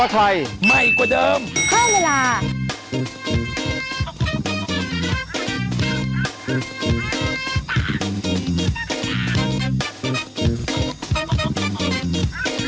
กลับไปกลับไป